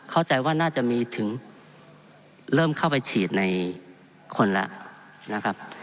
เข้าใจว่าน่าจะมีถึงเริ่มเข้าไปฉีดในคนแล้วนะครับ